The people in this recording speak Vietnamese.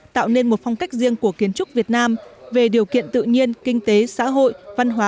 tạo nên một phong cách riêng của kiến trúc việt nam về điều kiện tự nhiên kinh tế xã hội văn hóa